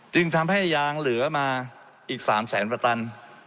จึงทำให้ยางเหลือมาอีก๓แสนกว่าตัน